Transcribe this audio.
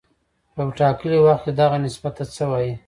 په یو ټاکلي وخت کې دغه نسبت ته څه وايي